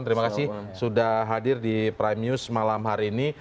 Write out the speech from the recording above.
terima kasih sudah hadir di prime news malam hari ini